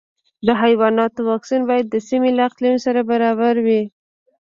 د حیواناتو واکسین باید د سیمې له اقلیم سره برابر وي.